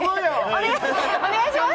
お願いします。